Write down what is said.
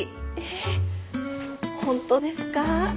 えっ本当ですか？